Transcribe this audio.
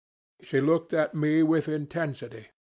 She looked at me with intensity.